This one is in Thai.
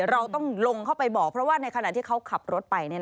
เราต้องลงเข้าไปบอกเพราะว่าในขณะที่เขาขับรถไป